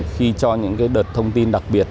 khi cho những đợt thông tin đặc biệt